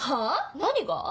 何が？